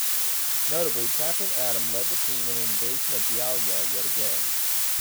Notably, Captain Atom led the team in an invasion of Bialya yet again.